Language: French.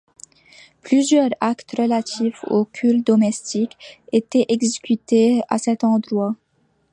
Plusieurs actes relatifs au culte domestique étaient exécutés à cet endroit.